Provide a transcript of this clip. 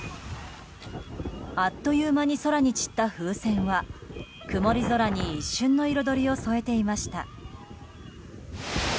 あっという間に空に散った風船は曇り空に一瞬の彩りを添えていました。